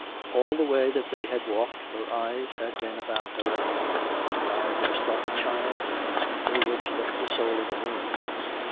All the way that they had walked, her eyes had been about her everywhere — the eyes of a startled child, through which looked the soul of a woman.